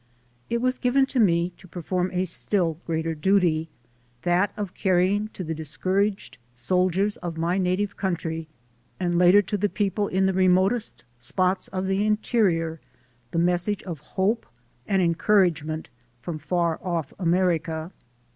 It was given to me to perform a still greater duty ; that of carrying to the discouraged soldiers of my native country, and later to the people in the re motest spots of the interior the message of hope and encouragement from far off America.